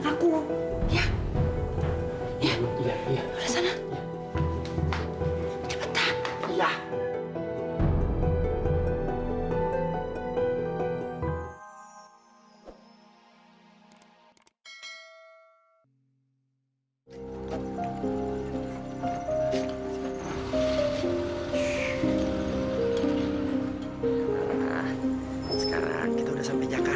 aku masuk dulu ya mbak